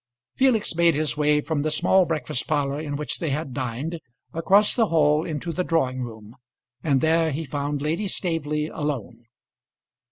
Felix made his way from the small breakfast parlour in which they had dined across the hall into the drawing room, and there he found Lady Staveley alone.